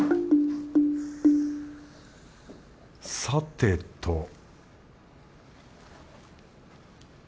さてと